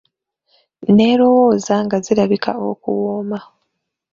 N'erowooza nga zirabika okuwooma.